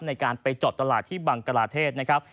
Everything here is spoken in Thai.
ในการไปจอดตลาดที่บังกลาเทศนะครับ